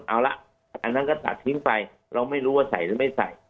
เอาละอันนั้นก็ตัดทิ้งไปเราไม่รู้ว่าใส่หรือไม่ใส่